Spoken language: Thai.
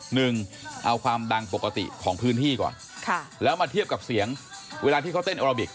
หนึ่งเอาความดังปกติของพื้นที่ก่อนค่ะแล้วมาเทียบกับเสียงเวลาที่เขาเต้นโอราบิก